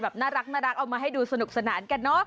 น่ารักเอามาให้ดูสนุกสนานกันเนอะ